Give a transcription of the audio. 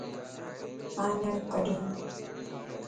آنڃڻ ڪڍ